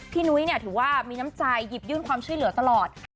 นุ้ยถือว่ามีน้ำใจหยิบยื่นความช่วยเหลือตลอด